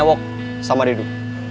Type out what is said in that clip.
ewok sama didu